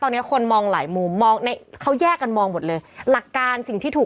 ตอนนี้คนมองหลายมุมมองในเขาแยกกันมองหมดเลยหลักการสิ่งที่ถูก